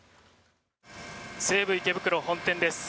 西武池袋本店です。